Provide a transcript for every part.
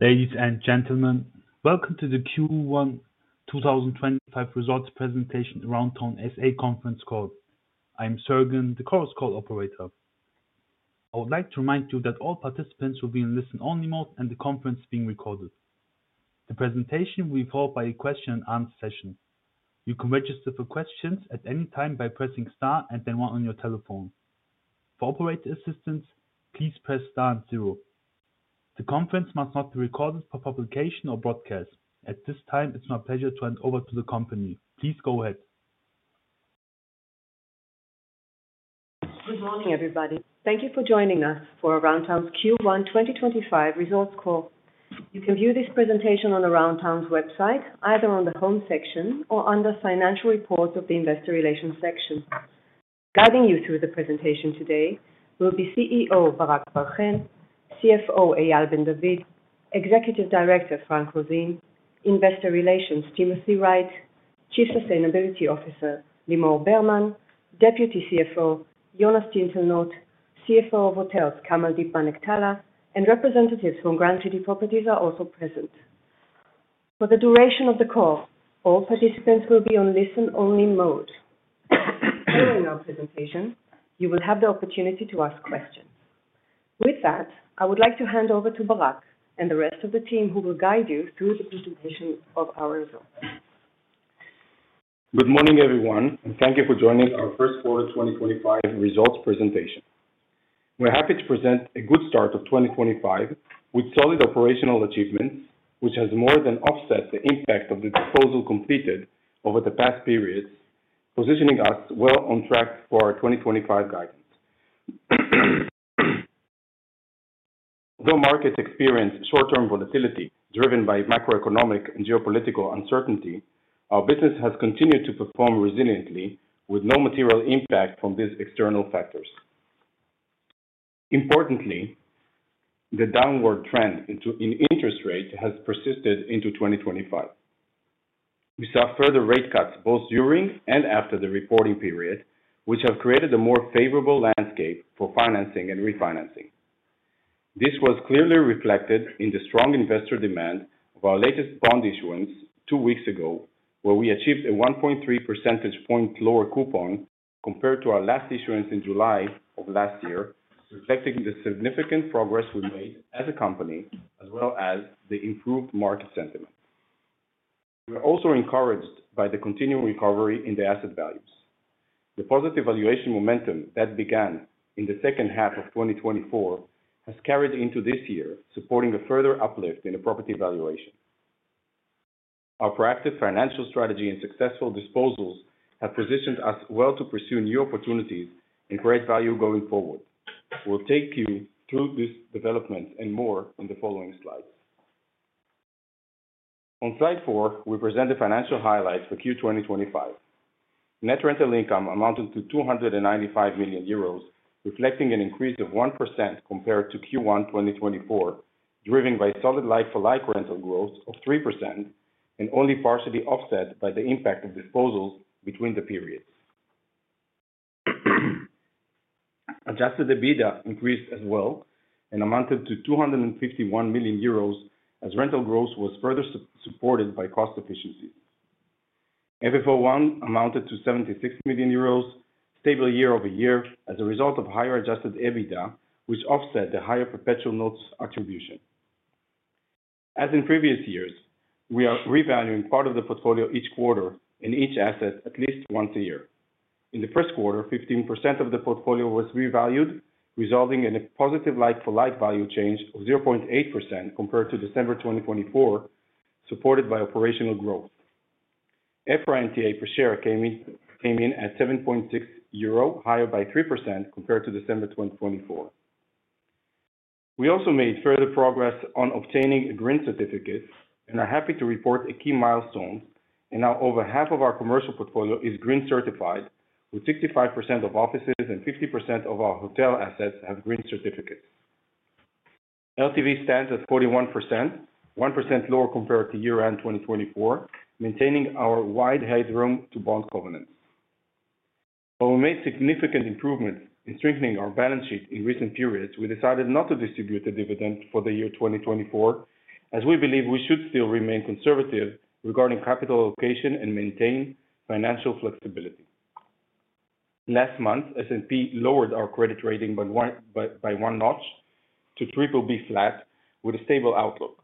Ladies and gentlemen, welcome to the Q1 2025 results presentation Aroundtown SA conference call. I am Sergeant, the call's call operator. I would like to remind you that all participants will be in listen-only mode and the conference is being recorded. The presentation will be followed by a Q&A session. You can register for questions at any time by pressing star and then one on your telephone. For operator assistance, please press star and zero. The conference must not be recorded for publication or broadcast. At this time, it's my pleasure to hand over to the company. Please go ahead. Good morning, everybody. Thank you for joining us for Aroundtown's Q1 2025 results call. You can view this presentation on Aroundtown's website, either on the home section or under Financial Reports of the Investor Relations section. Guiding you through the presentation today will be CEO Barak Bar-Hen, CFO Eyal Ben David, Executive Director Frank Roseen, Investor Relations Timothy Wright, Chief Sustainability Officer Limor Bermann, Deputy CFO Jonas Tintelnot, CFO of Hotels Kamaldeep Manaktala, and representatives from Grand City Properties are also present. For the duration of the call, all participants will be on listen-only mode. During our presentation, you will have the opportunity to ask questions. With that, I would like to hand over to Barak and the rest of the team who will guide you through the presentation of our results. Good morning, everyone, and thank you for joining our first quarter 2025 results presentation. We're happy to present a good start of 2025 with solid operational achievements, which has more than offset the impact of the disposal completed over the past periods, positioning us well on track for our 2025 guidance. Although markets experience short-term volatility driven by macroeconomic and geopolitical uncertainty, our business has continued to perform resiliently with no material impact from these external factors. Importantly, the downward trend in interest rates has persisted into 2025. We saw further rate cuts both during and after the reporting period, which have created a more favorable landscape for financing and refinancing. This was clearly reflected in the strong investor demand of our latest bond issuance two weeks ago, where we achieved a 1.3 percentage point lower coupon compared to our last issuance in July of last year, reflecting the significant progress we made as a company as well as the improved market sentiment. We're also encouraged by the continuing recovery in the asset values. The positive valuation momentum that began in the second half of 2024 has carried into this year, supporting a further uplift in the property valuation. Our proactive financial strategy and successful disposals have positioned us well to pursue new opportunities and create value going forward. We'll take you through these developments and more in the following slides. On slide four, we present the financial highlights for Q1 2025. Net rental income amounted to 295 million euros, reflecting an increase of 1% compared to Q1 2024, driven by solid like-for-like rental growth of 3% and only partially offset by the impact of disposals between the periods. Adjusted EBITDA increased as well and amounted to 251 million euros as rental growth was further supported by cost efficiencies. FFO1 amounted to 76 million euros, stable year-over-year as a result of higher adjusted EBITDA, which offset the higher perpetual notes attribution. As in previous years, we are revaluing part of the portfolio each quarter and each asset at least once a year. In the first quarter, 15% of the portfolio was revalued, resulting in a positive like-for-like value change of 0.8% compared to December 2024, supported by operational growth. EPRA NTA per share came in at 7.6 euro, higher by 3% compared to December 2024. We also made further progress on obtaining a green certificate and are happy to report key milestones. Now, over half of our commercial portfolio is green certified, with 65% of offices and 50% of our hotel assets having green certificates. LTV stands at 41%, 1% lower compared to year-end 2024, maintaining our wide headroom to bond covenants. While we made significant improvements in strengthening our balance sheet in recent periods, we decided not to distribute the dividend for the year 2024, as we believe we should still remain conservative regarding capital allocation and maintain financial flexibility. Last month, S&P lowered our credit rating by one notch to BBB-, with a stable outlook.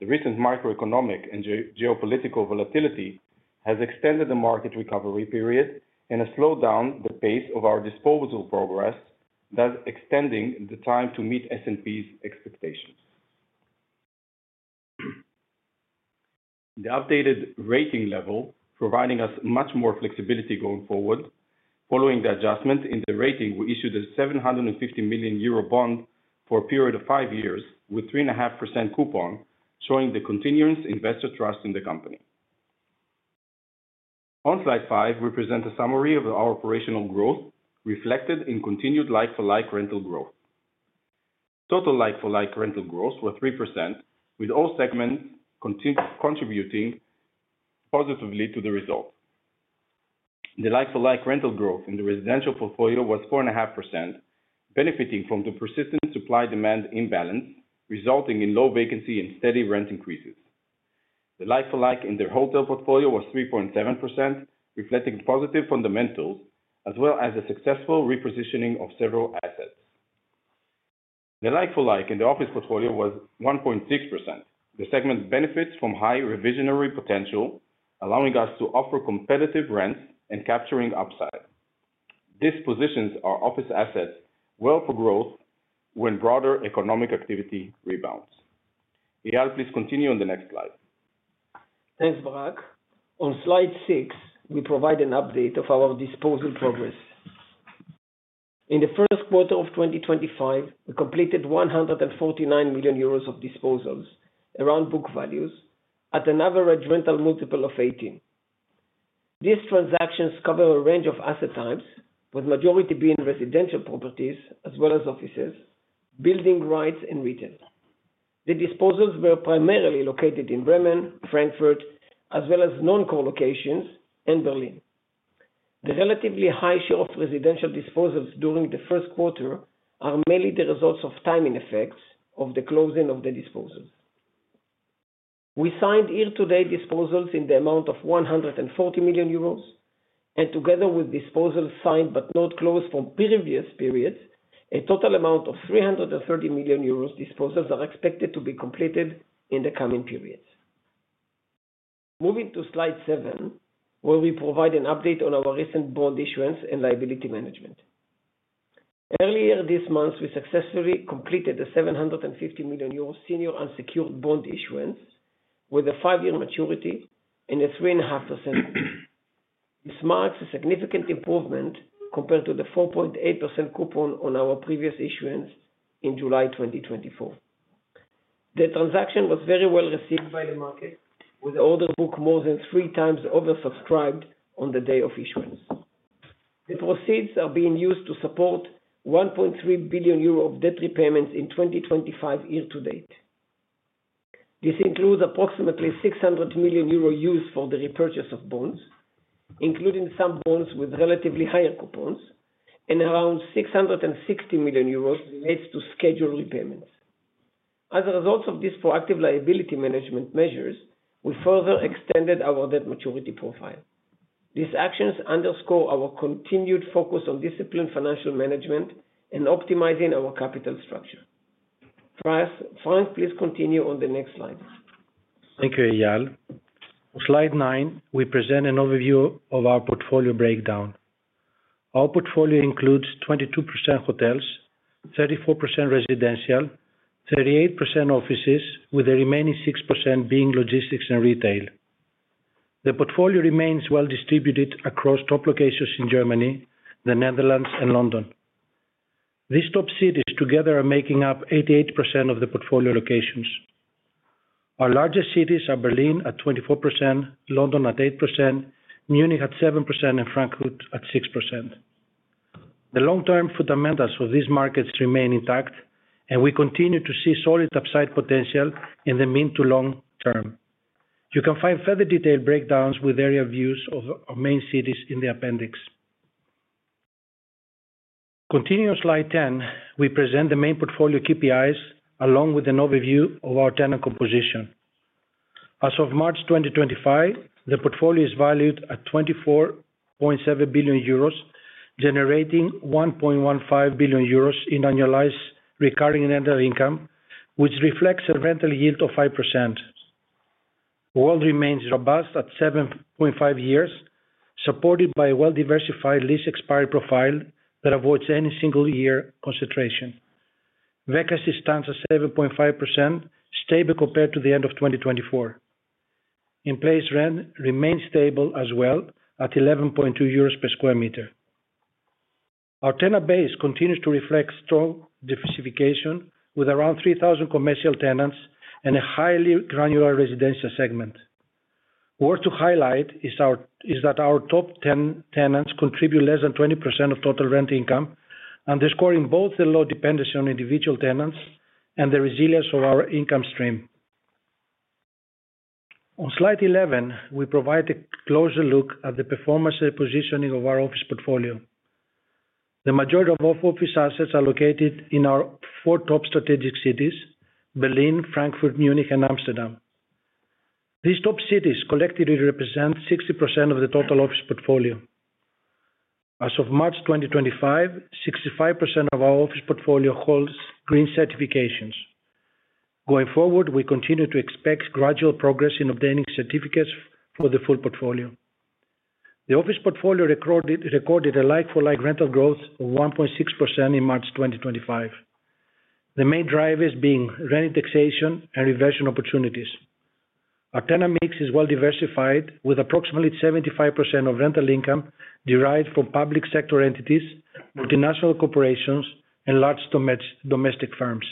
The recent macroeconomic and geopolitical volatility has extended the market recovery period and has slowed down the pace of our disposal progress, thus extending the time to meet S&P's expectations. The updated rating level provides us much more flexibility going forward. Following the adjustment in the rating, we issued a 750 million euro bond for a period of five years with a 3.5% coupon, showing the continuous investor trust in the company. On slide five, we present a summary of our operational growth reflected in continued like-for-like rental growth. Total like-for-like rental growth was 3%, with all segments contributing positively to the result. The like-for-like rental growth in the residential portfolio was 4.5%, benefiting from the persistent supply-demand imbalance, resulting in low vacancy and steady rent increases. The like-for-like in the hotel portfolio was 3.7%, reflecting positive fundamentals as well as the successful repositioning of several assets. The like-for-like in the office portfolio was 1.6%. The segment benefits from high revisionary potential, allowing us to offer competitive rents and capturing upside. This positions our office assets well for growth when broader economic activity rebounds. Eyal, please continue on the next slide. Thanks, Barak. On slide six, we provide an update of our disposal progress. In the first quarter of 2025, we completed 149 million euros of disposals around book values at an average rental multiple of 18. These transactions cover a range of asset types, with the majority being residential properties as well as offices, building rights, and retail. The disposals were primarily located in Bremen, Frankfurt, as well as non-core locations in Berlin. The relatively high share of residential disposals during the first quarter is mainly the result of timing effects of the closing of the disposals. We signed year-to-date disposals in the amount of 140 million euros, and together with disposals signed but not closed from previous periods, a total amount of 330 million euros disposals are expected to be completed in the coming periods. Moving to slide seven, where we provide an update on our recent bond issuance and liability management. Earlier this month, we successfully completed a 750 million euro senior unsecured bond issuance with a five-year maturity and a 3.5%. This marks a significant improvement compared to the 4.8% coupon on our previous issuance in July 2024. The transaction was very well received by the market, with the order book more than three times oversubscribed on the day of issuance. The proceeds are being used to support 1.3 billion euro of debt repayments in 2025 year-to-date. This includes approximately 600 million euro used for the repurchase of bonds, including some bonds with relatively higher coupons, and around 660 million euros relates to scheduled repayments. As a result of these proactive liability management measures, we further extended our debt maturity profile. These actions underscore our continued focus on disciplined financial management and optimizing our capital structure. Frank, please continue on the next slide. Thank you, Eyal. On slide nine, we present an overview of our portfolio breakdown. Our portfolio includes 22% hotels, 34% residential, 38% offices, with the remaining 6% being logistics and retail. The portfolio remains well distributed across top locations in Germany, the Netherlands, and London. These top cities together are making up 88% of the portfolio locations. Our largest cities are Berlin at 24%, London at 8%, Munich at 7%, and Frankfurt at 6%. The long-term fundamentals of these markets remain intact, and we continue to see solid upside potential in the mid to long term. You can find further detailed breakdowns with area views of our main cities in the appendix. Continuing on slide ten, we present the main portfolio KPIs along with an overview of our tenant composition. As of March 2025, the portfolio is valued at 24.7 billion euros, generating 1.15 billion euros in annualized recurring net income, which reflects a rental yield of 5%. WALT remains robust at 7.5 years, supported by a well-diversified lease expiry profile that avoids any single-year concentration. Vacancy stands at 7.5%, stable compared to the end of 2024. In-place rent remains stable as well at 11.2 euros per sq m. Our tenant base continues to reflect strong diversification with around 3,000 commercial tenants and a highly granular residential segment. Worth to highlight is that our top ten tenants contribute less than 20% of total rent income, underscoring both the low dependency on individual tenants and the resilience of our income stream. On slide 11, we provide a closer look at the performance and positioning of our office portfolio. The majority of office assets are located in our four top strategic cities: Berlin, Frankfurt, Munich, and Amsterdam. These top cities collectively represent 60% of the total office portfolio. As of March 2025, 65% of our office portfolio holds green certifications. Going forward, we continue to expect gradual progress in obtaining certificates for the full portfolio. The office portfolio recorded a like-for-like rental growth of 1.6% in March 2025, the main drivers being rent taxation and reversion opportunities. Our tenant mix is well diversified, with approximately 75% of rental income derived from public sector entities, multinational corporations, and large domestic firms.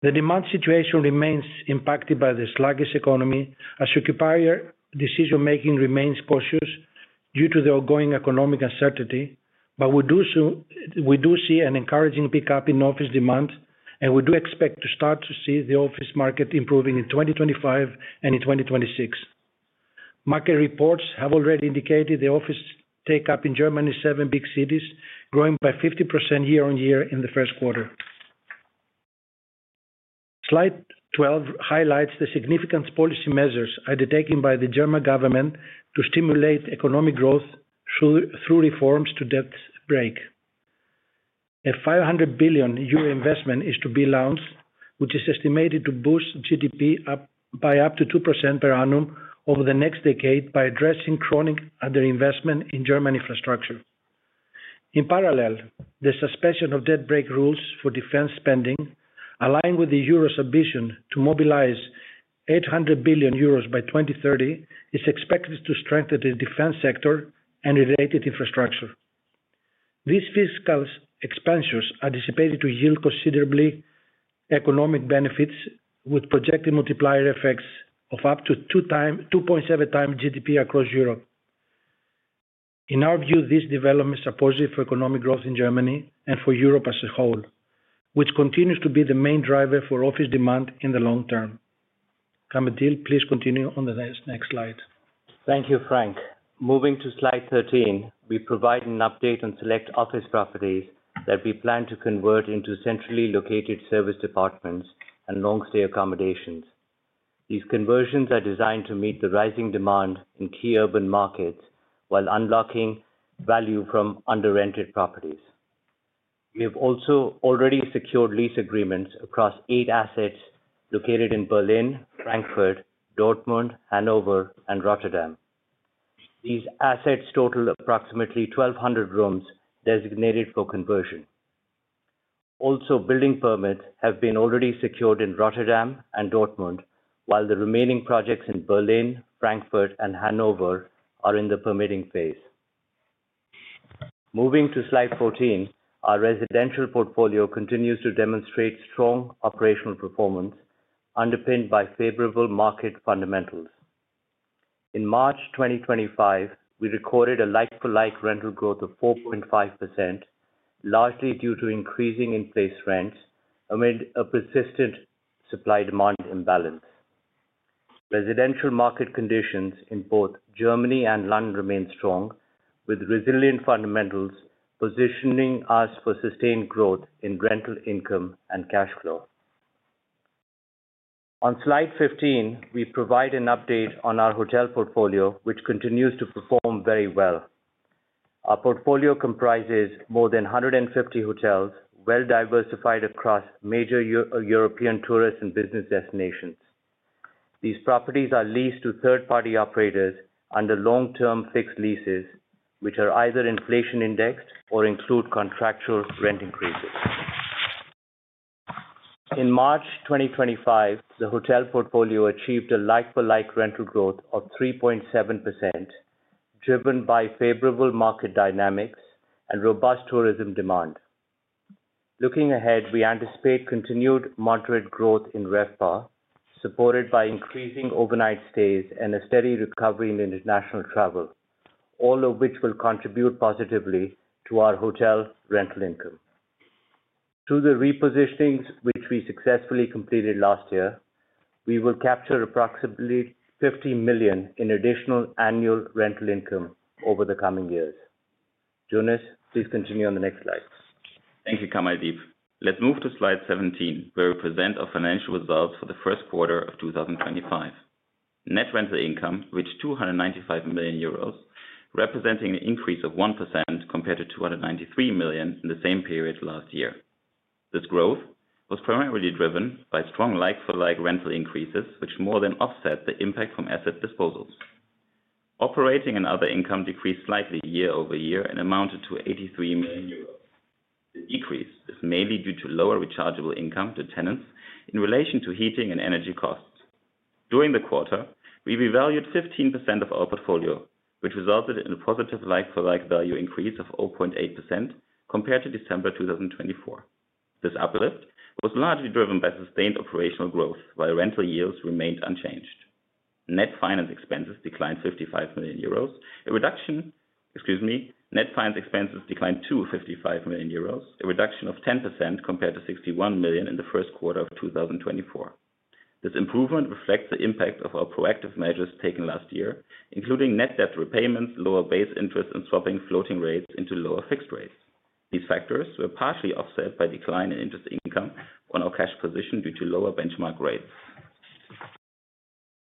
The demand situation remains impacted by the sluggish economy, as supplier decision-making remains cautious due to the ongoing economic uncertainty. We do see an encouraging pickup in office demand, and we do expect to start to see the office market improving in 2025 and in 2026. Market reports have already indicated the office take-up in Germany's seven big cities growing by 50% year-on-year in the first quarter. Slide 12 highlights the significant policy measures undertaken by the German government to stimulate economic growth through reforms to the Debt Brake. A 500 billion euro investment is to be launched, which is estimated to boost GDP by up to 2% per annum over the next decade by addressing chronic underinvestment in German infrastructure. In parallel, the suspension of Debt Brake rules for defense spending, aligned with the euro's ambition to mobilize 800 billion euros by 2030, is expected to strengthen the defense sector and related infrastructure. These fiscal expenditures are anticipated to yield considerable economic benefits, with projected multiplier effects of up to 2.7 times GDP across Europe. In our view, these developments are positive for economic growth in Germany and for Europe as a whole, which continues to be the main driver for office demand in the long term. Kamaldeep, please continue on the next slide. Thank you, Frank. Moving to slide 13, we provide an update on select office properties that we plan to convert into centrally located service departments and long-stay accommodations. These conversions are designed to meet the rising demand in key urban markets while unlocking value from under-rented properties. We have also already secured lease agreements across eight assets located in Berlin, Frankfurt, Dortmund, Hanover, and Rotterdam. These assets total approximately 1,200 rooms designated for conversion. Also, building permits have been already secured in Rotterdam and Dortmund, while the remaining projects in Berlin, Frankfurt, and Hanover are in the permitting phase. Moving to slide 14, our residential portfolio continues to demonstrate strong operational performance, underpinned by favorable market fundamentals. In March 2025, we recorded a like-for-like rental growth of 4.5%, largely due to increasing in-place rents amid a persistent supply-demand imbalance. Residential market conditions in both Germany and London remain strong, with resilient fundamentals positioning us for sustained growth in rental income and cash flow. On slide 15, we provide an update on our hotel portfolio, which continues to perform very well. Our portfolio comprises more than 150 hotels, well-diversified across major European tourist and business destinations. These properties are leased to third-party operators under long-term fixed leases, which are either inflation-indexed or include contractual rent increases. In March 2025, the hotel portfolio achieved a like-for-like rental growth of 3.7%, driven by favorable market dynamics and robust tourism demand. Looking ahead, we anticipate continued moderate growth in RevPAR, supported by increasing overnight stays and a steady recovery in international travel, all of which will contribute positively to our hotel rental income. Through the re-positionings which we successfully completed last year, we will capture approximately 50 million in additional annual rental income over the coming years. Jonas, please continue on the next slide. Thank you, Kamaldeep. Let's move to slide 17, where we present our financial results for the first quarter of 2025. Net rental income reached 295 million euros, representing an increase of 1% compared to 293 million in the same period last year. This growth was primarily driven by strong like-for-like rental increases, which more than offset the impact from asset disposals. Operating and other income decreased slightly year-over-year and amounted to 83 million euros. The decrease is mainly due to lower rechargeable income to tenants in relation to heating and energy costs. During the quarter, we revalued 15% of our portfolio, which resulted in a positive like-for-like value increase of 0.8% compared to December 2024. This uplift was largely driven by sustained operational growth, while rental yields remained unchanged. Net finance expenses declined 55 million euros, a reduction of EUR 55 million. Net finance expenses declined to 55 million euros, a reduction of 10% compared to 61 million in the first quarter of 2024. This improvement reflects the impact of our proactive measures taken last year, including net debt repayments, lower base interest, and swapping floating rates into lower fixed rates. These factors were partially offset by a decline in interest income on our cash position due to lower benchmark rates.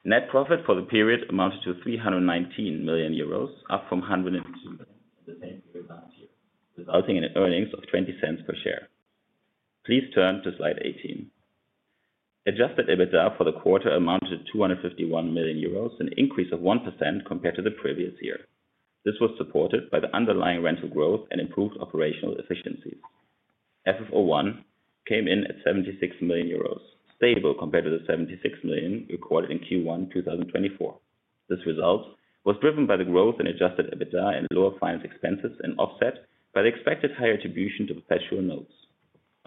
Net profit for the period amounted to 319 million euros, up from 150 million in the same period last year, resulting in earnings of 0.20 per share. Please turn to slide 18. Adjusted EBITDA for the quarter amounted to 251 million euros, an increase of 1% compared to the previous year. This was supported by the underlying rental growth and improved operational efficiencies. FFO1 came in at 76 million euros, stable compared to the 76 million recorded in Q1 2024. This result was driven by the growth in adjusted EBITDA and lower finance expenses and offset by the expected higher attribution to perpetual notes.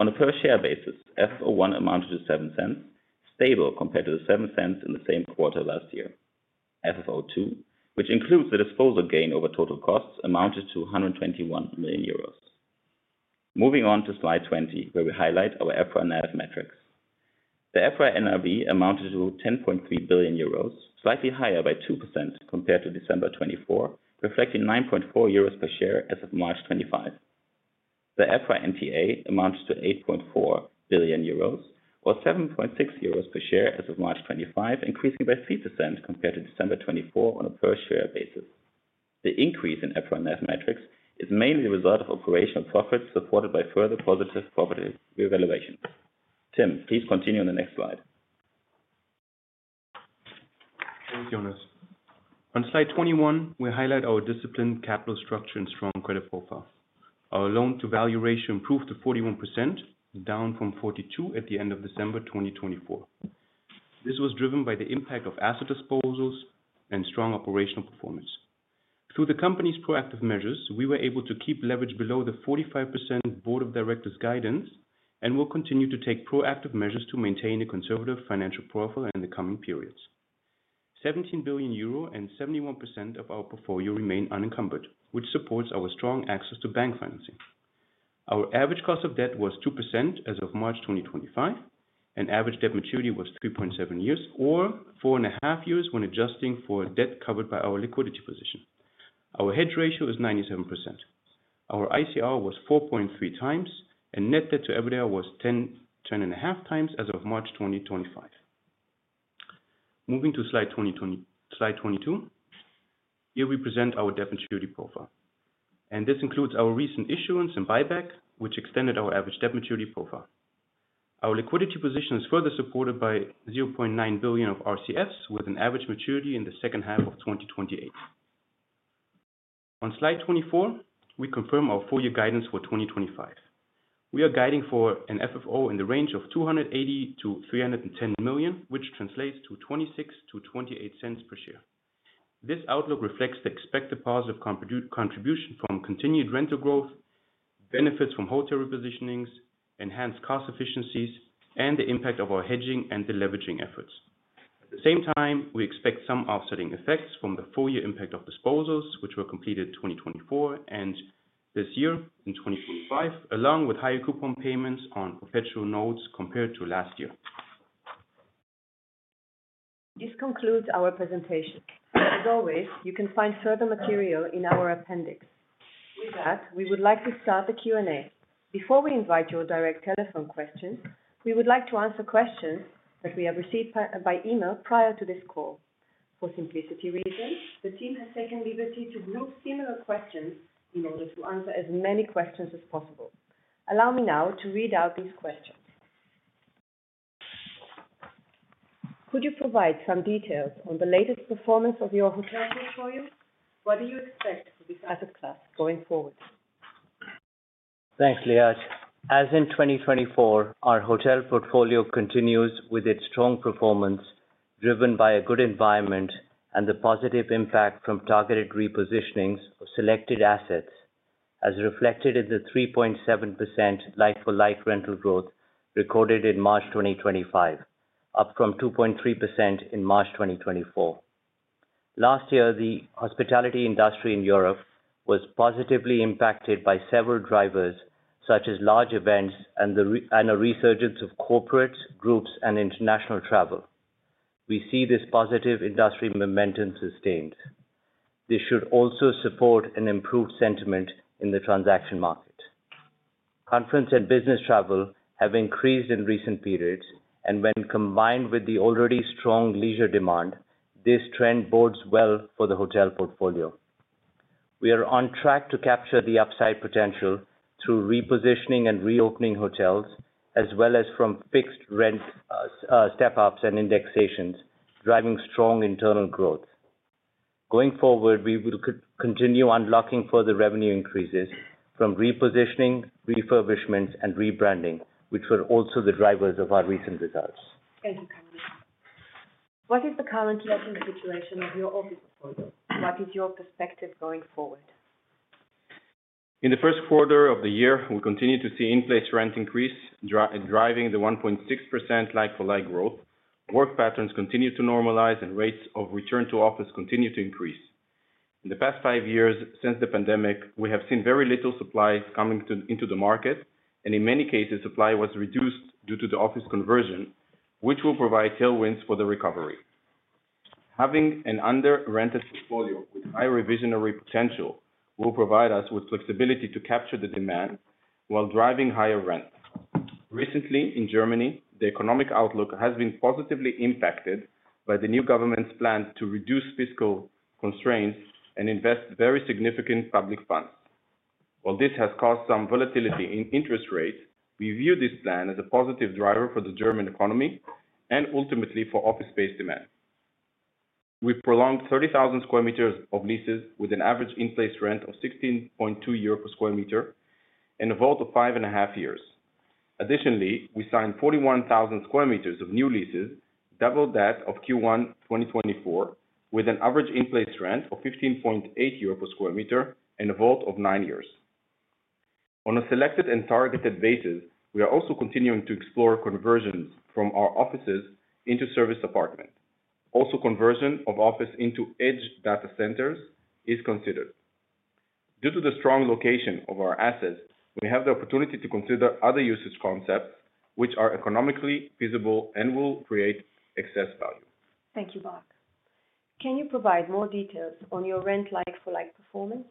On a per-share basis, FFO1 amounted to 0.07, stable compared to the 0.07 in the same quarter last year. FFO2, which includes the disposal gain over total costs, amounted to 121 million euros. Moving on to slide 20, where we highlight our EPRA NAV metrics. The EPRA NAV amounted to 10.3 billion euros, slightly higher by 2% compared to December 2024, reflecting 9.4 euros per share as of March 2025. The EPRA NTA amounted to 8.4 billion euros, or 7.6 euros per share as of March 2025, increasing by 3% compared to December 2024 on a per-share basis. The increase in EPRA NAV metrics is mainly the result of operational profits supported by further positive property revaluations. Tim, please continue on the next slide. Thanks, Jonas. On slide 21, we highlight our disciplined capital structure and strong credit profile. Our loan-to-value ratio improved to 41%, down from 42% at the end of December 2024. This was driven by the impact of asset disposals and strong operational performance. Through the company's proactive measures, we were able to keep leverage below the 45% board of directors guidance and will continue to take proactive measures to maintain a conservative financial profile in the coming periods. 17 billion euro and 71% of our portfolio remain unencumbered, which supports our strong access to bank financing. Our average cost of debt was 2% as of March 2025. An average debt maturity was 3.7 years, or 4.5 years when adjusting for debt covered by our liquidity position. Our hedge ratio is 97%. Our ICR was 4.3 times, and net debt to EBITDA was 10.5 times as of March 2025. Moving to slide 22, here we present our debt maturity profile. This includes our recent issuance and buyback, which extended our average debt maturity profile. Our liquidity position is further supported by 0.9 billion of RCFs, with an average maturity in the second half of 2028. On slide 24, we confirm our four-year guidance for 2025. We are guiding for an FFO in the range of 280 million-310 million, which translates to 0.26-0.28 per share. This outlook reflects the expected positive contribution from continued rental growth, benefits from hotel repositionings, enhanced cost efficiencies, and the impact of our hedging and deleveraging efforts. At the same time, we expect some offsetting effects from the four-year impact of disposals, which were completed in 2024 and this year in 2025, along with higher coupon payments on perpetual notes compared to last year. This concludes our presentation. As always, you can find further material in our appendix. With that, we would like to start the Q&A. Before we invite your direct telephone questions, we would like to answer questions that we have received by email prior to this call. For simplicity reasons, the team has taken liberty to group similar questions in order to answer as many questions as possible. Allow me now to read out these questions. Could you provide some details on the latest performance of your hotel portfolio? What do you expect for this asset class going forward? Thanks, Liat. As in 2024, our hotel portfolio continues with its strong performance, driven by a good environment and the positive impact from targeted repositionings of selected assets, as reflected in the 3.7% like-for-like rental growth recorded in March 2025, up from 2.3% in March 2024. Last year, the hospitality industry in Europe was positively impacted by several drivers, such as large events and the resurgence of corporate groups and international travel. We see this positive industry momentum sustained. This should also support an improved sentiment in the transaction market. Conference and business travel have increased in recent periods, and when combined with the already strong leisure demand, this trend bodes well for the hotel portfolio. We are on track to capture the upside potential through repositioning and reopening hotels, as well as from fixed rent step-ups and indexations, driving strong internal growth. Going forward, we will continue unlocking further revenue increases from repositioning, refurbishments, and rebranding, which were also the drivers of our recent results. Thank you, Kamaldeep. What is the current letting situation of your office portfolio? What is your perspective going forward? In the first quarter of the year, we continue to see in-place rent increase, driving the 1.6% like-for-like growth. Work patterns continue to normalize, and rates of return to office continue to increase. In the past five years since the pandemic, we have seen very little supply coming into the market, and in many cases, supply was reduced due to the office conversion, which will provide tailwinds for the recovery. Having an under-rented portfolio with high revisionary potential will provide us with flexibility to capture the demand while driving higher rent. Recently, in Germany, the economic outlook has been positively impacted by the new government's plan to reduce fiscal constraints and invest very significant public funds. While this has caused some volatility in interest rates, we view this plan as a positive driver for the German economy and ultimately for office space demand. We've prolonged 30,000 sq m of leases with an average in-place rent of 16.2 euro per sq m and a WALT of 5.5 years. Additionally, we signed 41,000 sq m of new leases, double that of Q1 2024, with an average in-place rent of 15.8 euro per sq m and a WALT of 9 years. On a selected and targeted basis, we are also continuing to explore conversions from our offices into service apartments. Also, conversion of office into edge data centers is considered. Due to the strong location of our assets, we have the opportunity to consider other usage concepts which are economically feasible and will create excess value. Thank you, Barak. Can you provide more details on your rent like-for-like performance?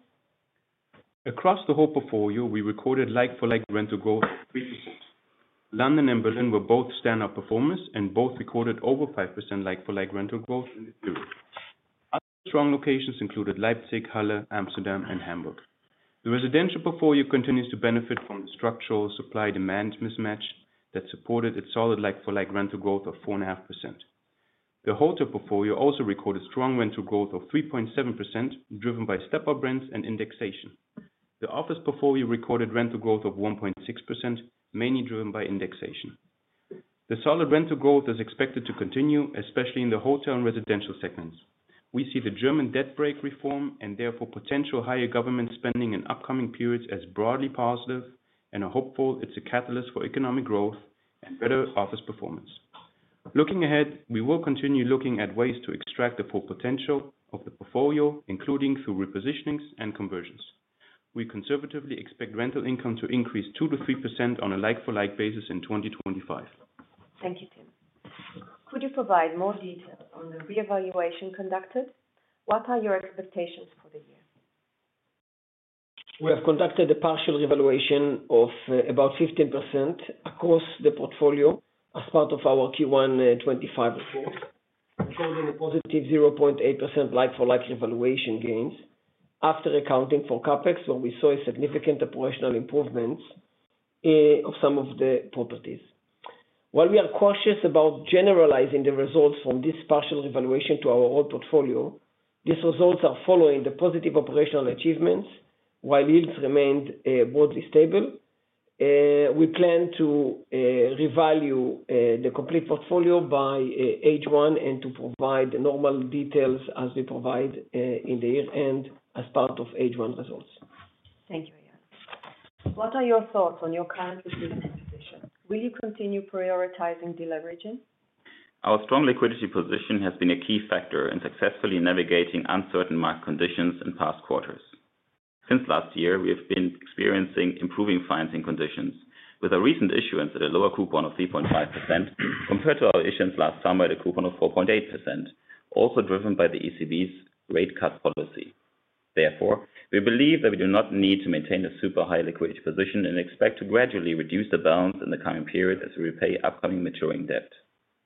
Across the whole portfolio, we recorded like-for-like rental growth of 3%. London and Berlin were both standout performers and both recorded over 5% like-for-like rental growth in this period. Other strong locations included Leipzig, Halle, Amsterdam, and Hamburg. The residential portfolio continues to benefit from the structural supply-demand mismatch that supported its solid like-for-like rental growth of 4.5%. The hotel portfolio also recorded strong rental growth of 3.7%, driven by step-up rents and indexation. The office portfolio recorded rental growth of 1.6%, mainly driven by indexation. The solid rental growth is expected to continue, especially in the hotel and residential segments. We see the German debt brake reform and therefore potential higher government spending in upcoming periods as broadly positive and are hopeful it's a catalyst for economic growth and better office performance. Looking ahead, we will continue looking at ways to extract the full potential of the portfolio, including through repositionings and conversions. We conservatively expect rental income to increase 2%-3% on a like-for-like basis in 2025. Thank you, Tim. Could you provide more details on the revaluation conducted? What are your expectations for the year? We have conducted a partial revaluation of about 15% across the portfolio as part of our Q1 2025 report, showing a positive 0.8% like-for-like revaluation gains after accounting for CapEx, where we saw significant operational improvements of some of the properties. While we are cautious about generalizing the results from this partial revaluation to our whole portfolio, these results are following the positive operational achievements, while yields remained broadly stable. We plan to revalue the complete portfolio by H1 and to provide the normal details as we provide in the year-end as part of H1 results. Thank you, Eyal. What are your thoughts on your current liquidity position? Will you continue prioritizing deleveraging? Our strong liquidity position has been a key factor in successfully navigating uncertain market conditions in past quarters. Since last year, we have been experiencing improving financing conditions with a recent issuance at a lower coupon of 3.5% compared to our issuance last summer at a coupon of 4.8%, also driven by the ECB's rate cut policy. Therefore, we believe that we do not need to maintain a super high liquidity position and expect to gradually reduce the balance in the coming period as we repay upcoming maturing debt.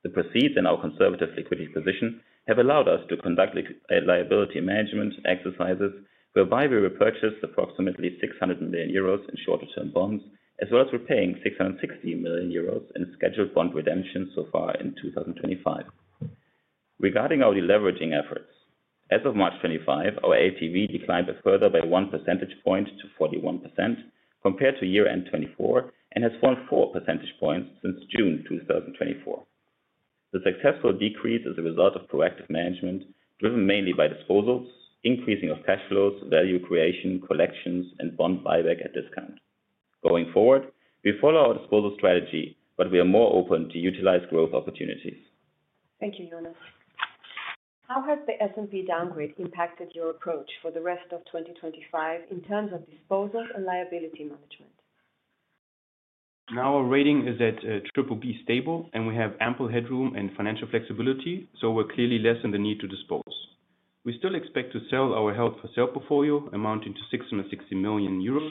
The proceeds in our conservative liquidity position have allowed us to conduct liability management exercises, whereby we repurchased approximately 600 million euros in shorter-term bonds, as well as repaying 660 million euros in scheduled bond redemptions so far in 2025. Regarding our deleveraging efforts, as of March 2025, our LTV declined further by one percentage point to 41% compared to year-end 2024 and has fallen four percentage points since June 2024. The successful decrease is a result of proactive management, driven mainly by disposals, increasing of cash flows, value creation, collections, and bond buyback at discount. Going forward, we follow our disposal strategy, but we are more open to utilize growth opportunities. Thank you, Jonas. How has the S&P downgrade impacted your approach for the rest of 2025 in terms of disposal and liability management? Now, our rating is at BBB stable, and we have ample headroom and financial flexibility, so we're clearly less in the need to dispose. We still expect to sell our held-for-sale portfolio, amounting to 660 million euros,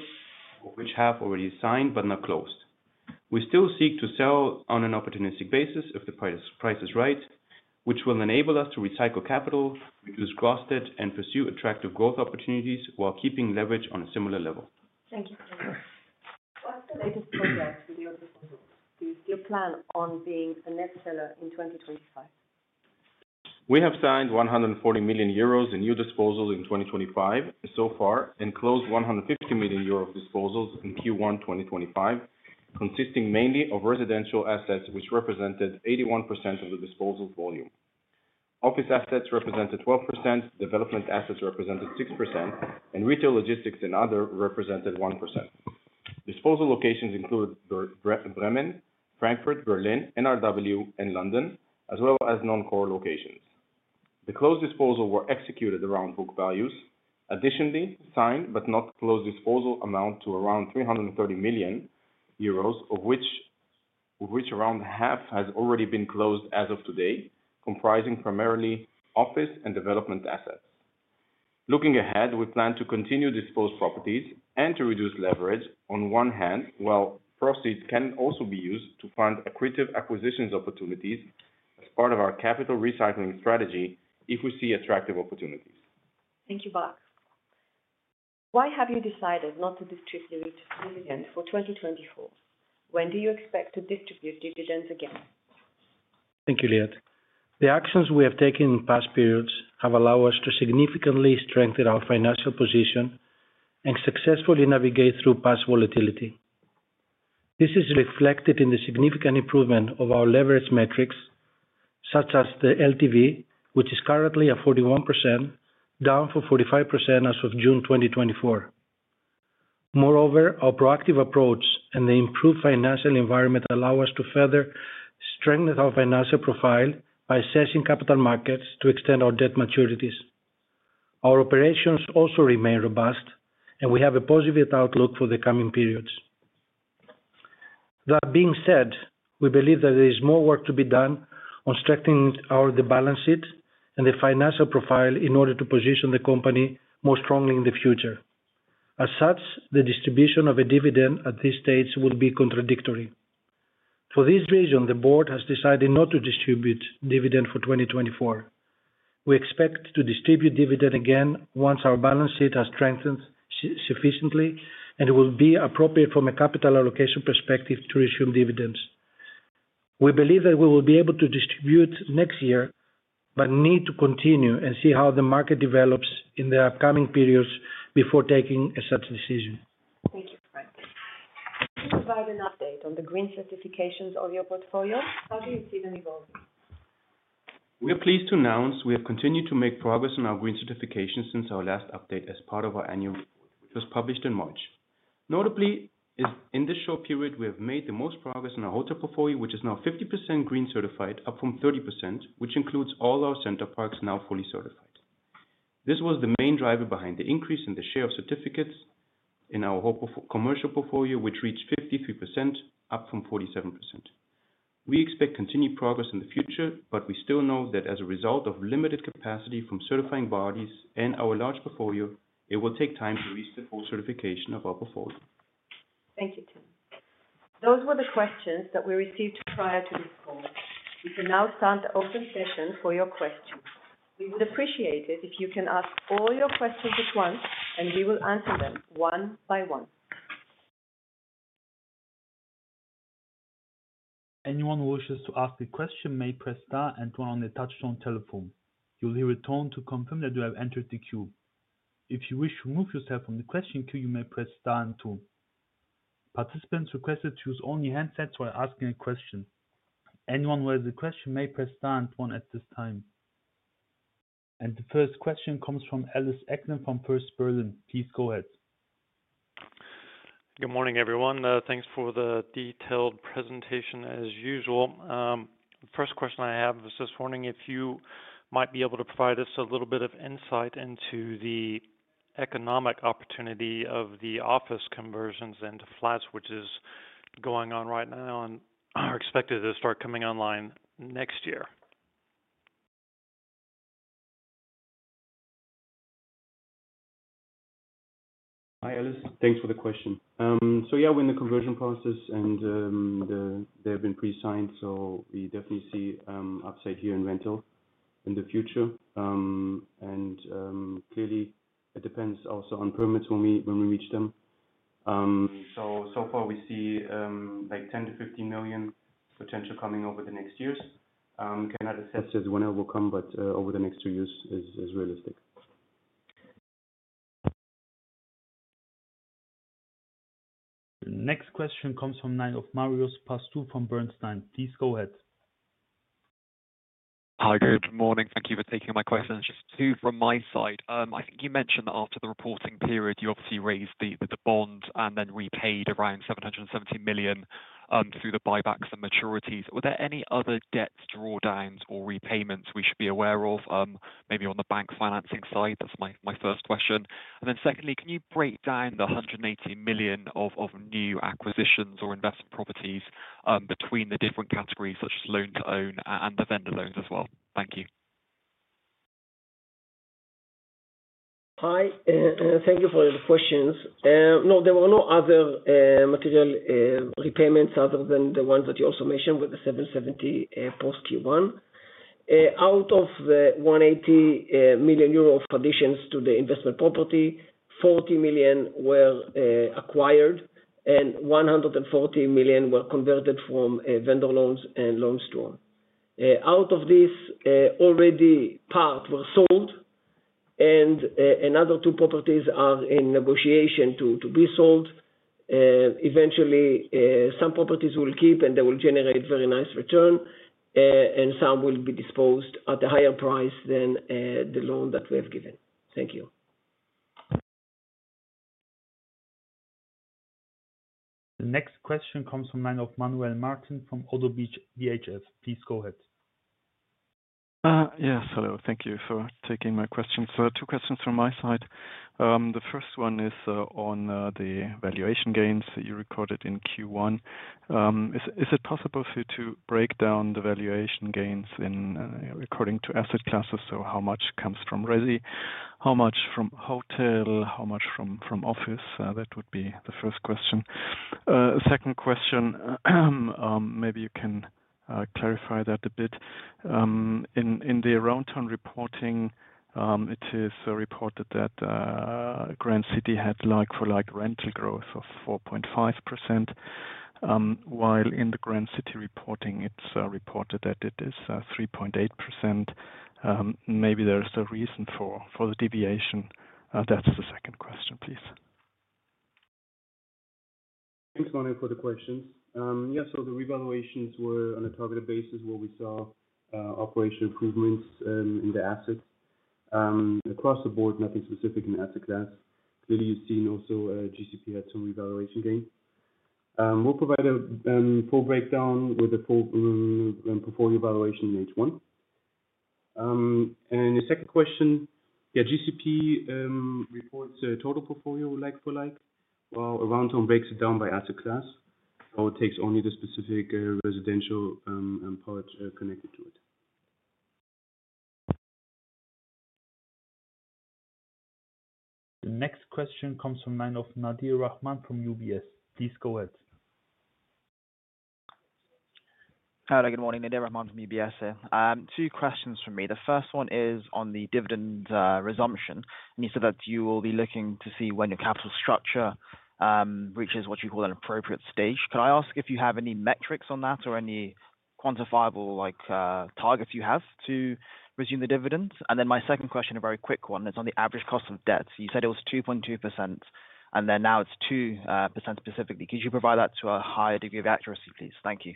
of which half already signed but not closed. We still seek to sell on an opportunistic basis if the price is right, which will enable us to recycle capital, reduce gross debt, and pursue attractive growth opportunities while keeping leverage on a similar level. Thank you, Tim. What's the latest progress with your disposals? Do you still plan on being a net seller in 2025? We have signed 140 million euros in new disposals in 2025 so far and closed 150 million euro disposals in Q1 2025, consisting mainly of residential assets, which represented 81% of the disposal volume. Office assets represented 12%, development assets represented 6%, and retail logistics and other represented 1%. Disposal locations included Bremen, Frankfurt, Berlin, NRW, and London, as well as non-core locations. The closed disposals were executed around book values. Additionally, signed but not closed disposals amount to around 330 million euros, of which around half has already been closed as of today, comprising primarily office and development assets. Looking ahead, we plan to continue disposed properties and to reduce leverage on one hand, while proceeds can also be used to fund accretive acquisition opportunities as part of our capital recycling strategy if we see attractive opportunities. Thank you, Barak. Why have you decided not to distribute your dividends for 2024? When do you expect to distribute dividends again? Thank you, Liat. The actions we have taken in past periods have allowed us to significantly strengthen our financial position and successfully navigate through past volatility. This is reflected in the significant improvement of our leverage metrics, such as the LTV, which is currently at 41%, down from 45% as of June 2024. Moreover, our proactive approach and the improved financial environment allow us to further strengthen our financial profile by assessing capital markets to extend our debt maturities. Our operations also remain robust, and we have a positive outlook for the coming periods. That being said, we believe that there is more work to be done on strengthening our balance sheet and the financial profile in order to position the company more strongly in the future. As such, the distribution of a dividend at these stages will be contradictory. For this reason, the board has decided not to distribute dividends for 2024. We expect to distribute dividends again once our balance sheet has strengthened sufficiently and it will be appropriate from a capital allocation perspective to resume dividends. We believe that we will be able to distribute next year but need to continue and see how the market develops in the upcoming periods before taking such a decision. Thank you, Frank. Can you provide an update on the green certifications of your portfolio? How do you see them evolving? We are pleased to announce we have continued to make progress on our green certifications since our last update as part of our annual report, which was published in March. Notably, in this short period, we have made the most progress in our hotel portfolio, which is now 50% green certified, up from 30%, which includes all our Center Parcs now fully certified. This was the main driver behind the increase in the share of certificates in our commercial portfolio, which reached 53%, up from 47%. We expect continued progress in the future, but we still know that as a result of limited capacity from certifying bodies and our large portfolio, it will take time to reach the full certification of our portfolio. Thank you, Tim. Those were the questions that we received prior to this call. We can now start the open session for your questions. We would appreciate it if you can ask all your questions at once, and we will answer them one by one. Anyone who wishes to ask a question may press star and one on the touchstone telephone. You'll hear a tone to confirm that you have entered the queue. If you wish to remove yourself from the question queue, you may press star and two. Participants are requested to use only handsets while asking a question. Anyone who has a question may press star and one at this time. The first question comes from Ellis Acklin from First Berlin. Please go ahead. Good morning, everyone. Thanks for the detailed presentation as usual. The first question I have is this morning if you might be able to provide us a little bit of insight into the economic opportunity of the office conversions and the flash which is going on right now and are expected to start coming online next year. Hi, Ellis. Thanks for the question. Yeah, we're in the conversion process, and they have been pre-signed, so we definitely see upside here in rental in the future. It clearly depends also on permits when we reach them. So far, we see like 10 million-15 million potential coming over the next years. Cannot assess when it will come, but over the next two years is realistic. The next question comes from Marios Pastou from Bernstein. Please go ahead. Hi, good morning. Thank you for taking my question. Just two from my side. I think you mentioned that after the reporting period, you obviously raised the bonds and then repaid around 770 million through the buybacks and maturities. Were there any other debt drawdowns or repayments we should be aware of, maybe on the bank financing side? That is my first question. Secondly, can you break down the 180 million of new acquisitions or investment properties between the different categories, such as loan-to-own and the vendor loans as well? Thank you. Hi. Thank you for the questions. No, there were no other material repayments other than the ones that you also mentioned with the 770 million post Q1. Out of the 180 million euro conditions to the investment property, 40 million were acquired, and 140 million were converted from vendor loans and loan-to-own. Out of this, already parts were sold, and another two properties are in negotiation to be sold. Eventually, some properties we'll keep, and they will generate very nice return, and some will be disposed at a higher price than the loan that we have given. Thank you. The next question comes from Manuel Martin from ODDO BHF. Please go ahead. Yes, hello. Thank you for taking my question. Two questions from my side. The first one is on the valuation gains that you recorded in Q1. Is it possible for you to break down the valuation gains according to asset classes? How much comes from resi, how much from hotel, how much from office? That would be the first question. Second question, maybe you can clarify that a bit. In the Aroundtown reporting, it is reported that Grand City had like-for-like rental growth of 4.5%, while in the Grand City reporting, it is reported that it is 3.8%. Maybe there is a reason for the deviation. That is the second question, please. Thanks, Manuel, for the questions. Yes, so the revaluations were on a targeted basis, where we saw operational improvements in the assets. Across the board, nothing specific in asset class. Clearly, you've seen also GCP had some revaluation gains. We will provide a full breakdown with the full portfolio evaluation in H1. The second question, yeah, GCP reports total portfolio like-for-like, while Aroundtown breaks it down by asset class, or it takes only the specific residential part connected to it. The next question comes from Nadir Rahman from UBS. Please go ahead. Hello, good morning. Nadir Rahman from UBS. Two questions for me. The first one is on the dividend resumption. You said that you will be looking to see when your capital structure reaches what you call an appropriate stage. Could I ask if you have any metrics on that or any quantifiable targets you have to resume the dividends? My second question, a very quick one, is on the average cost of debt. You said it was 2.2%, and then now it is 2% specifically. Could you provide that to a higher degree of accuracy, please? Thank you.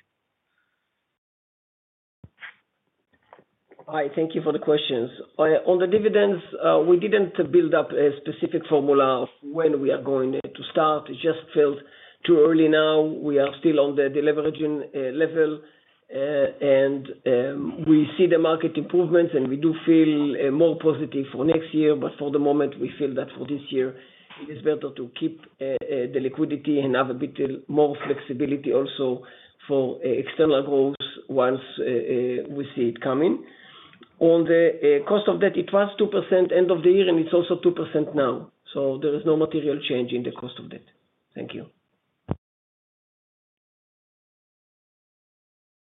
Hi, thank you for the questions. On the dividends, we did not build up a specific formula of when we are going to start. It just feels too early now. We are still on the leveraging level, and we see the market improvements, and we do feel more positive for next year. For the moment, we feel that for this year, it is better to keep the liquidity and have a bit more flexibility also for external growth once we see it coming. On the cost of debt, it was 2% end of the year, and it is also 2% now. There is no material change in the cost of debt. Thank you.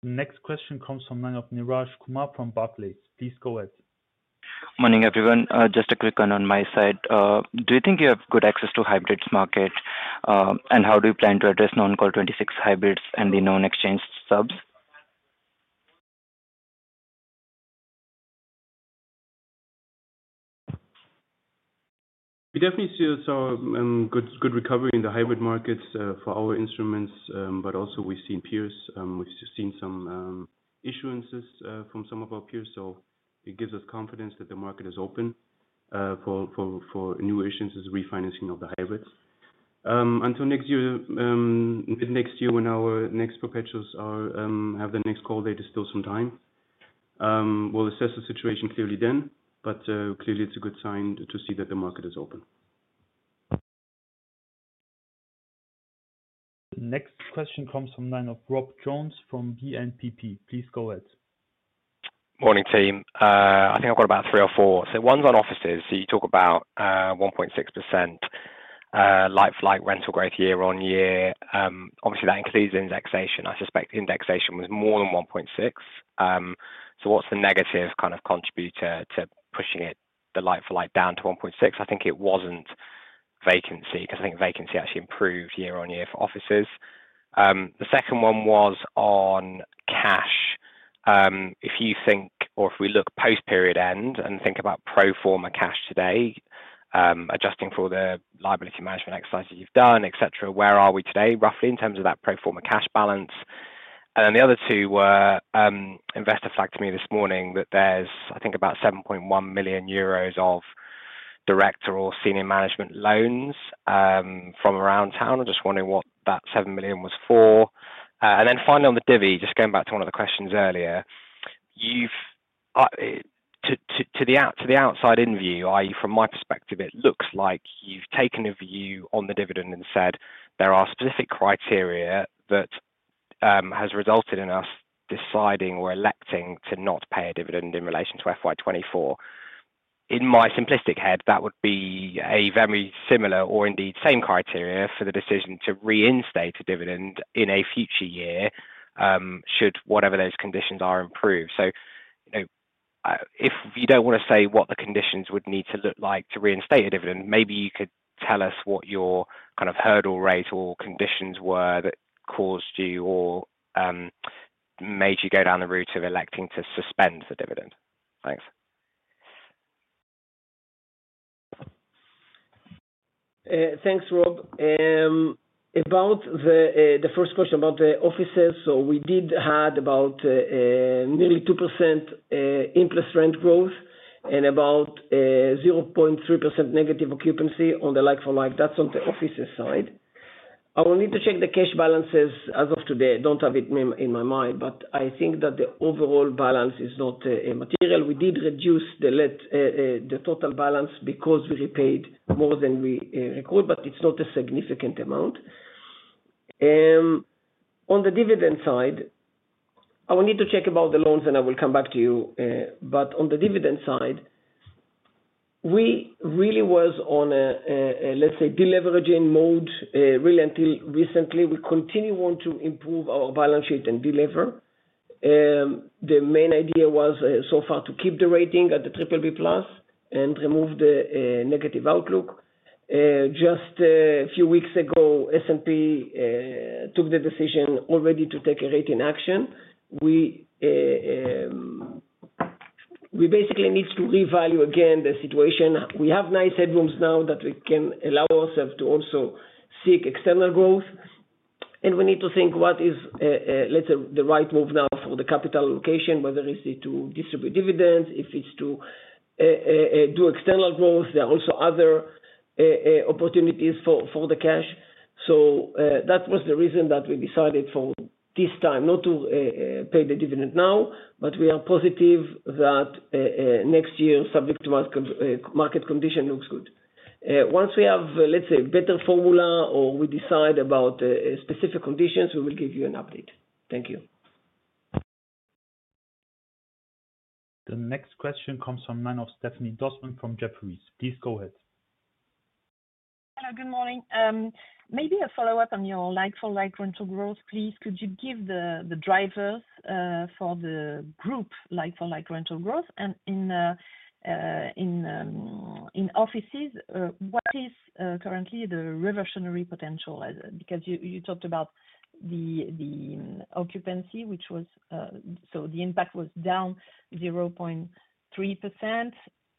The next question comes from Neeraj Kumar from Barclays. Please go ahead. Morning, everyone. Just a quick one on my side. Do you think you have good access to hybrids market, and how do you plan to address non-core 2026 hybrids and the non-exchange subs? We definitely see some good recovery in the hybrid markets for our instruments, but also we've seen peers. We've seen some issuances from some of our peers, so it gives us confidence that the market is open for new issuances, refinancing of the hybrids. Until next year, mid-next year, when our next perpetuals have the next call, there is still some time. We'll assess the situation clearly then, but clearly, it's a good sign to see that the market is open. The next question comes from Rob Jones from BNPP. Please go ahead. Morning, team. I think I've got about three or four. One's on offices. You talk about 1.6% like-for-like rental growth year on year. Obviously, that includes indexation. I suspect indexation was more than 1.6%. What's the negative kind of contributor to pushing the like-for-like down to 1.6%? I think it wasn't vacancy because I think vacancy actually improved year on year for offices. The second one was on cash. If you think, or if we look post-period end and think about pro forma cash today, adjusting for the liability management exercises you've done, etc., where are we today, roughly, in terms of that pro forma cash balance? The other two were investor flagged to me this morning that there's, I think, about 7.1 million euros of director or senior management loans from Aroundtown. I'm just wondering what that 7 million was for. Finally, on the divvy, just going back to one of the questions earlier, to the outside-in view, from my perspective, it looks like you've taken a view on the dividend and said there are specific criteria that has resulted in us deciding or electing to not pay a dividend in relation to FY 2024. In my simplistic head, that would be a very similar or indeed same criteria for the decision to reinstate a dividend in a future year should whatever those conditions are improve. If you do not want to say what the conditions would need to look like to reinstate a dividend, maybe you could tell us what your kind of hurdle rate or conditions were that caused you or made you go down the route of electing to suspend the dividend. Thanks. Thanks, Rob. About the first question about the offices, we did add about nearly 2% interest rent growth and about 0.3% negative occupancy on the like-for-like. That is on the offices side. I will need to check the cash balances as of today. I do not have it in my mind, but I think that the overall balance is not material. We did reduce the total balance because we repaid more than we recruited, but it is not a significant amount. On the dividend side, I will need to check about the loans, and I will come back to you. On the dividend side, we really were on a, let's say, deleveraging mode really until recently. We continue to want to improve our balance sheet and deliver. The main idea was so far to keep the rating at the triple B plus and remove the negative outlook. Just a few weeks ago, S&P took the decision already to take a rating action. We basically need to revalue again the situation. We have nice headrooms now that we can allow ourselves to also seek external growth. We need to think what is, let's say, the right move now for the capital allocation, whether it's to distribute dividends, if it's to do external growth. There are also other opportunities for the cash. That was the reason that we decided for this time not to pay the dividend now, but we are positive that next year, subject to market condition, looks good. Once we have, let's say, a better formula or we decide about specific conditions, we will give you an update. Thank you. The next question comes from Stephanie Dossmann from Jefferies. Please go ahead. Hello, good morning. Maybe a follow-up on your like-for-like rental growth, please. Could you give the drivers for the group like-for-like rental growth? In offices, what is currently the reversionary potential? You talked about the occupancy, which was, so the impact was down 0.3%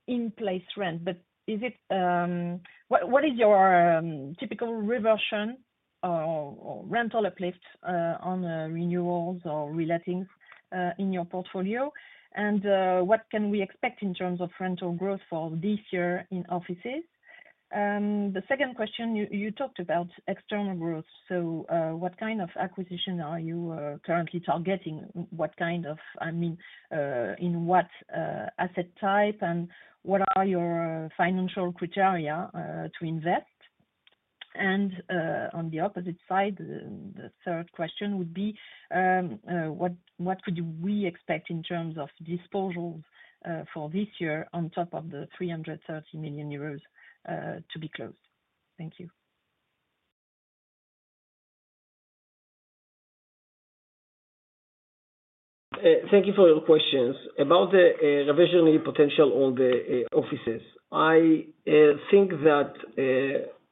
in place rent. What is your typical reversion or rental uplift on renewals or reletting in your portfolio? What can we expect in terms of rental growth for this year in offices? The second question, you talked about external growth. What kind of acquisition are you currently targeting? What kind of, I mean, in what asset type? What are your financial criteria to invest? On the opposite side, the third question would be, what could we expect in terms of disposals for this year on top of the 330 million euros to be closed? Thank you. Thank you for your questions. About the revisionary potential on the offices, I think that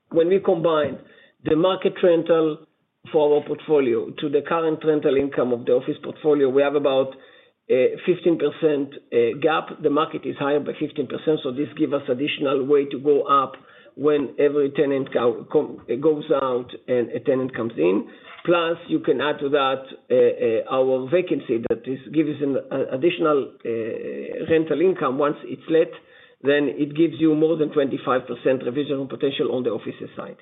when we combine the market rental for our portfolio to the current rental income of the office portfolio, we have about a 15% gap. The market is higher by 15%. This gives us additional way to go up when every tenant goes out and a tenant comes in. Plus, you can add to that our vacancy that gives us an additional rental income. Once it is let, then it gives you more than 25% revision potential on the office side.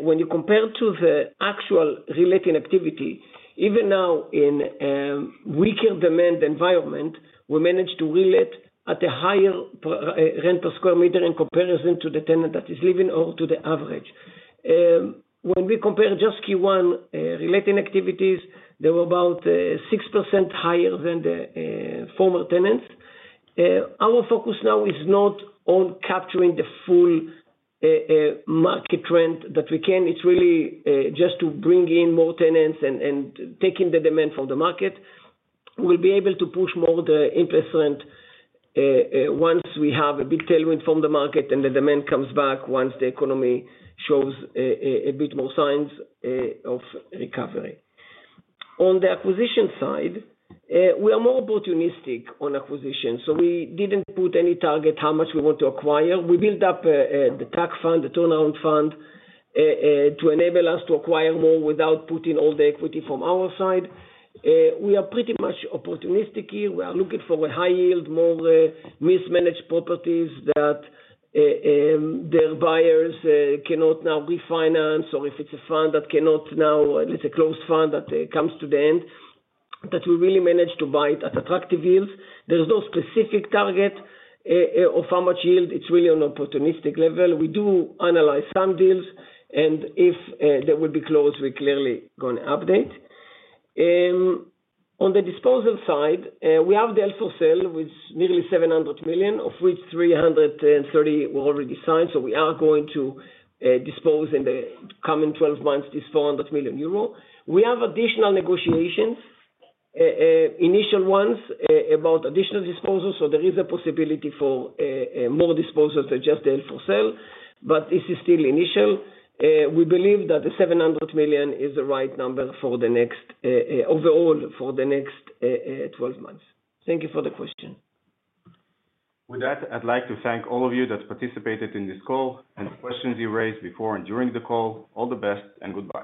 When you compare to the actual reletting activity, even now in a weaker demand environment, we managed to relet at a higher rent per sq m in comparison to the tenant that is leaving or to the average. When we compare just Q1 reletting activities, they were about 6% higher than the former tenants. Our focus now is not on capturing the full market trend that we can. It is really just to bring in more tenants and taking the demand from the market. We will be able to push more the interest rent once we have a big tailwind from the market and the demand comes back once the economy shows a bit more signs of recovery. On the acquisition side, we are more opportunistic on acquisition. We did not put any target how much we want to acquire. We built up the TAC fund, the turnaround fund, to enable us to acquire more without putting all the equity from our side. We are pretty much opportunistic here. We are looking for a high yield, more mismanaged properties that their buyers cannot now refinance, or if it is a fund that cannot now, let's say, close fund that comes to the end, that we really manage to buy it at attractive yields. There is no specific target of how much yield. It is really on an opportunistic level. We do analyze some deals, and if they will be closed, we are clearly going to update. On the disposal side, we have the L4 sale with nearly 700 million, of which 330 million were already signed. We are going to dispose in the coming 12 months this 400 million euro. We have additional negotiations, initial ones, about additional disposals. There is a possibility for more disposals than just the L4 sale, but this is still initial. We believe that the 700 million is the right number for the next overall for the next 12 months. Thank you for the question. With that, I'd like to thank all of you that participated in this call and the questions you raised before and during the call. All the best and goodbye.